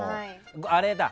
あれだ！